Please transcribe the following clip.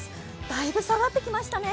だいぶ下がってきましたね。